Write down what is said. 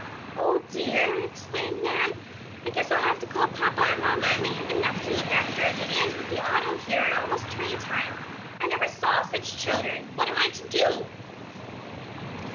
"Oh, dear!" exclaimed Nan. "I guess I'll have to call papa or mamma, and they have enough to look after as it is, with the auto here, and almost train time. I never saw such children! What am I to do?"